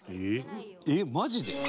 「えっマジで？」